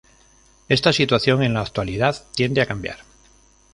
Esta situación en la actualidad tiende a cambiar.